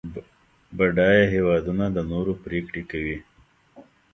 بډایه هېوادونه د نورو پرېکړې کوي.